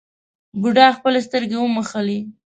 بوډا خپلې سترګې وموښلې.